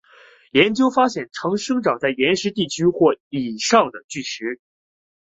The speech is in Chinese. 研究发现常生长在岩石地区或以上的巨石。